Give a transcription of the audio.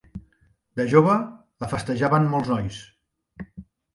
De jove, la festejaven molts nois.